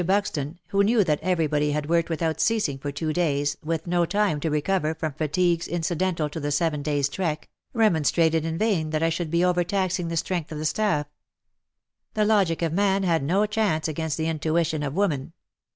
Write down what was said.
Buxton, who knew that everybody had worked without ceasing for two days, with no time to recover from fatigues incidental to the seven days' trek, remonstrated in vain that I should be overtaxing the strength of the staff. The logic of man had no chance against the intuition of woman.